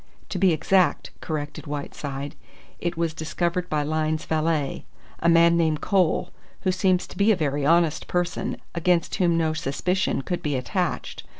"To be exact," corrected Whiteside, "it was discovered by Lyne's valet a man named Cole, who seems to be a very honest person, against whom no suspicion could be attached.